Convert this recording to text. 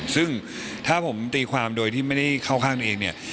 ซึ่งถ้าผมตีความโดยที่ไม่ได้เข้าข้างตัวเองเนี่ย